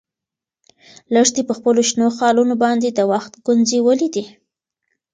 لښتې په خپلو شنو خالونو باندې د وخت ګونځې ولیدې.